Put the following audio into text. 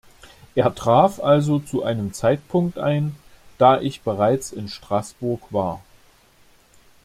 Er traf also zu einem Zeitpunkt ein, da ich bereits in Straßburg war.